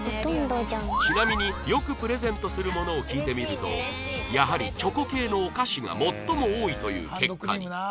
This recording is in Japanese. ちなみによくプレゼントするものを聞いてみるとやはりチョコ系のお菓子が最も多いという結果に